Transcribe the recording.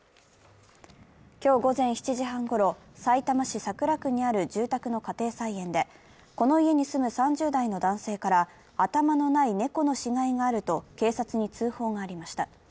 今日午前７時半ごろ、さいたま市桜区にある住宅の家庭菜園で、この家に住む３０代の男性から頭のない猫の死骸があると警察に通報がありました。